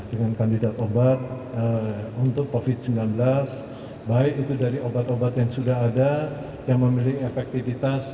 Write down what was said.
dengan kandidat obat untuk covid sembilan belas baik itu dari obat obat yang sudah ada yang memiliki efektivitas